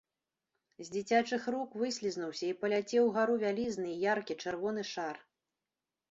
З дзіцячых рук выслізнуўся і паляцеў угару вялізны яркі чырвоны шар.